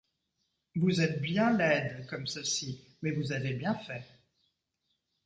Vous êtes bien laides comme ceci, mais vous avez bien fait.